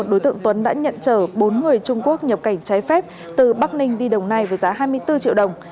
đối tượng tuấn đã nhận trở bốn người trung quốc nhập cảnh trái phép từ bắc ninh đi đồng nai với giá hai mươi bốn triệu đồng